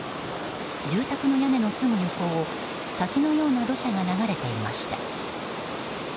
住宅の屋根のすぐ横を滝のような土砂が流れていました。